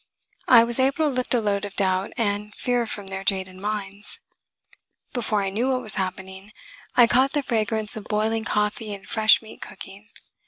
I was able to lift a load of doubt and fear from their jaded minds. Before I knew what was happening, I caught the fragrance of boiling coffee and fresh meat cooking.